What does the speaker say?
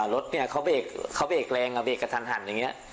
รถเนี่ยเขาเวกแรงเวกกระทันอย่างเงี้ย